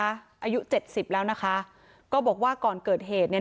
อายุเจ็ดสิบแล้วนะคะก็บอกว่าก่อนเกิดเหตุเนี่ย